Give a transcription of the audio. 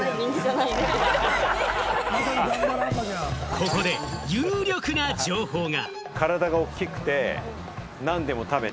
ここで有力な情報が！